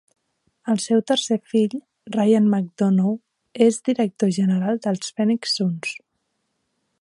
El seu tercer fill, Ryan McDonough, es director general dels Phoenix Suns.